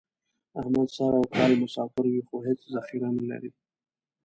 احمد سر او کال مسافر وي، خو هېڅ ذخیره نه لري.